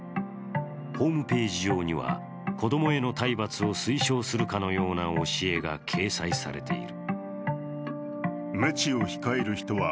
ホームページ上には子供への体罰を推奨するかのような教えが掲載されている。